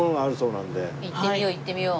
行ってみよう行ってみよう。